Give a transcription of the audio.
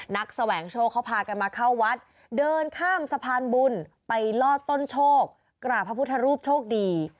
แสวงโชคเขาพากันมาเข้าวัดเดินข้ามสะพานบุญไปลอดต้นโชคกราบพระพุทธรูปโชคดี